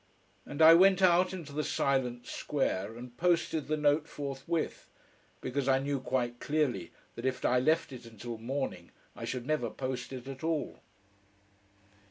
And I went out into the silent square and posted the note forthwith, because I knew quite clearly that if I left it until morning I should never post it at all.